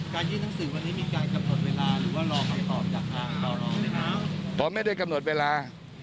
การยืนหนังสือวันนี้มีการกำหนดเวลาหรือว่ารอคำตอบจากภารกิจกรรมหรือเปล่า